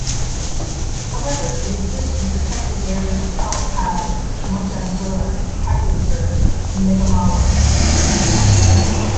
However, it exists in protected areas Kalakkad Mundanthurai Tiger Reserve and Meghamalai.